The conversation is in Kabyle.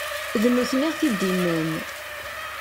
D nutni i aɣ-t-id-innan.